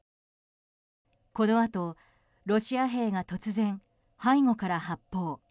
このあとロシア兵が突然背後から発砲。